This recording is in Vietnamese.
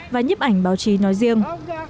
và nhếp ảnh báo chí nói riêng